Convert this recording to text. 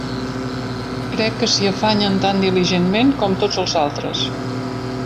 Crec que s'hi afanyen tan diligentment com tots els altres.